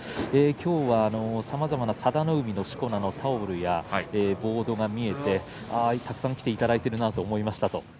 今日は佐田の海のしこ名のタオルやボードが見えてたくさんのお客さんに来ていただいてるなと思いました。